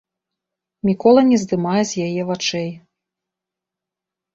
Мікола не здымае з яе вачэй.